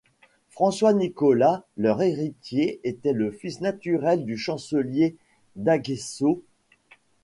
François Nicolas, leur héritier, était le fils naturel du chancelier d'Aguesseau.